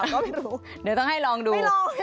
เดี๋ยวต้องให้ลองดู